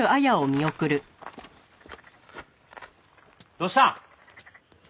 どうしたん？